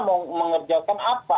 mau mengerjakan apa